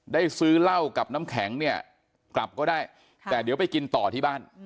ซื้อเหล้ากับน้ำแข็งเนี่ยกลับก็ได้แต่เดี๋ยวไปกินต่อที่บ้าน